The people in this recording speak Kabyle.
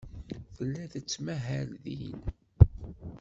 Tella tettmahal din.